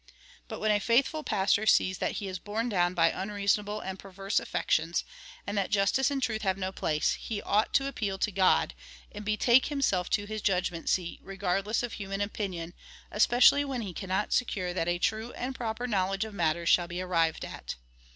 But when a faithful pastor sees that he is borne down by unreasonable and peiTerse affections, and that justice and truth have no place, he ought to appeal to God, and betake himself to his judgment seat, regardless of human opinion, especially when he cannot secure that a true and proper knowledge of matters shall be arrived at.